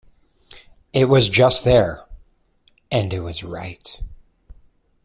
It was just there, and it was right.